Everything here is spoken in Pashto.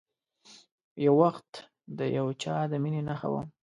یو وخت د یو چا د میینې نښه وم